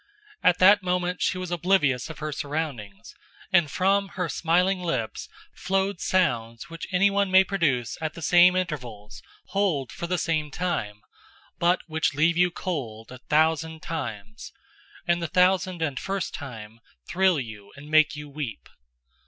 At that moment she was oblivious of her surroundings, and from her smiling lips flowed sounds which anyone may produce at the same intervals and hold for the same time, but which leave you cold a thousand times and the thousand and first time thrill you and make you weep.